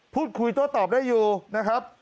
พูดคุยโต้ตอบได้อยู่นะครับ